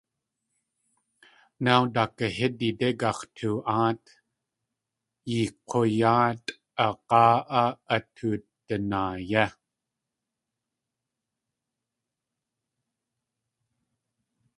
Naaw daakahídidé gax̲too.áat, yeekg̲wayáatʼ aag̲áa áa at tudanaa yé.